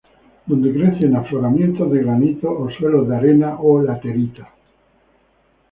Donde crece en afloramientos de granito o suelos de arena o laterita.